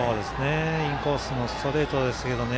インコースのストレートですけどね。